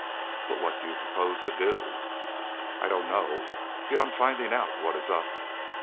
"But what do you propose to do?" "I don't know, beyond finding out what is up."